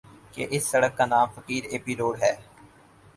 کہ اِس سڑک کا نام فقیر ایپی روڈ ہے